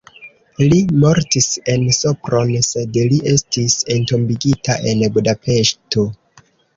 Li mortis en Sopron, sed li estis entombigita en Budapeŝto.